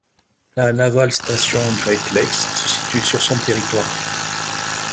La Naval Station Great Lakes se situe sur son territoire.